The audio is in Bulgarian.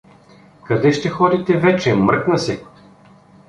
Къде ще ходите вече, мръкна се.